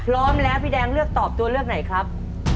พร้อมแล้วพี่แดงเลือกตอบตัวเลือกไหนครับ